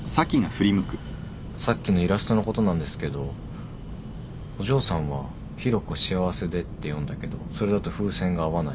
さっきのイラストのことなんですけどお嬢さんは「紘子幸せで」って読んだけどそれだと風船が合わない。